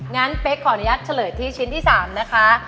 งั้นเป๊กขออนุญาตเฉลยที่ชิ้นที่๓นะคะ